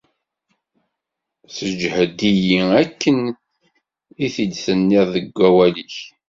Sseǧhed-iyi akken i t-id-tenniḍ deg wawal-ik.